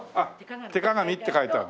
手鏡って書いてある。